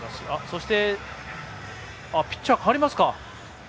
そして、ピッチャー代わりますか。